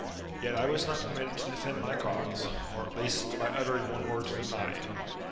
Yet I was not permitted to defend my cause, or at least by uttering one word to deny it.